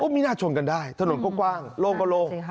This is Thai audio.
ไม่น่าชนกันได้ถนนก็กว้างโล่งก็โล่ง